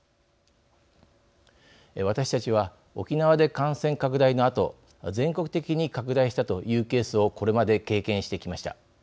私たちは沖縄で感染拡大のあと全国的に拡大したというケースをこれまで経験してきました。